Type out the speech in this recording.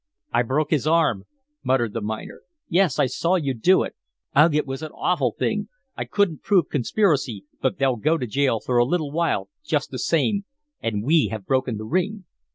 "I broke his arm," muttered the miner. "Yes, I saw you do it! Ugh! it was an awful thing. I couldn't prove conspiracy, but they'll go to jail for a little while just the same, and we have broken the ring."